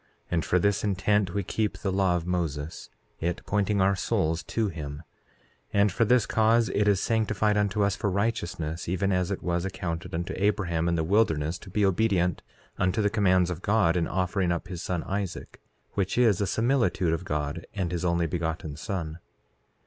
And for this intent we keep the law of Moses, it pointing our souls to him; and for this cause it is sanctified unto us for righteousness, even as it was accounted unto Abraham in the wilderness to be obedient unto the commands of God in offering up his son Isaac, which is a similitude of God and his Only Begotten Son.